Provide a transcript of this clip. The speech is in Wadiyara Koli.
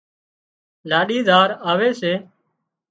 لاڏِي زار آوي سي